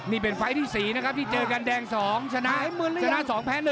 นี่เป็นไฟล์ที่๔นะครับที่เจอกันแดง๒ชนะชนะ๒แพ้๑